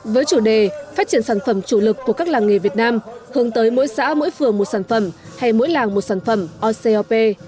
với chủ đề phát triển sản phẩm chủ lực của các làng nghề việt nam hướng tới mỗi xã mỗi phường một sản phẩm hay mỗi làng một sản phẩm ocop